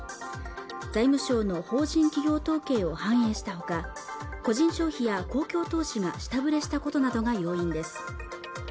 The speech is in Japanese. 財務省の法人企業統計を反映したほか個人消費や公共投資が下振れしたことなどが要因です